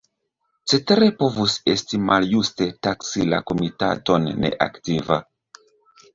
Cetere povus esti maljuste taksi la Komitaton neaktiva.